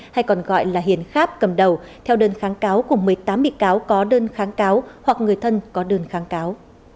hay còn gọi là hiền khát cầm đầu theo đơn kháng cáo của một mươi tám bị cáo có đơn kháng cáo hoặc người thân có đơn kháng cáo